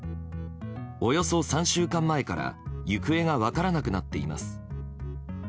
およそ３週間前から行方が分からなくなっています。